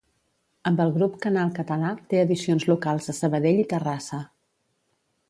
Amb el Grup Canal Català, té edicions locals a Sabadell i Terrassa.